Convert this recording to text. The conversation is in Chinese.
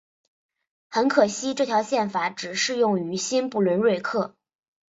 很可惜这条宪法只适用于新不伦瑞克。